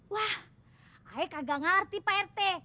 wah ae kagak ngalerti pak rt